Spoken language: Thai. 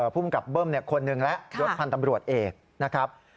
ภูมิกับเบิ้มคนหนึ่งแล้วยศพันธ์ตำรวจเอกนะครับ